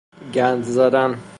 گند زدن